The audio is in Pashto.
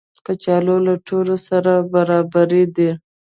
کچالو له ټولو سره برابر دي